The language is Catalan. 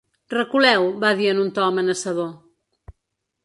Reculeu, va dir en un to amenaçador.